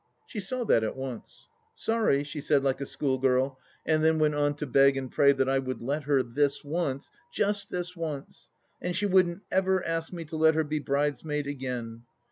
She saw that at once. " Sorry 1 " she said like a schoolgirl, and then went on to beg and pray that I would let her — this once — ^just this once ! And she wouldn't ever ask me to let her be brides maid again.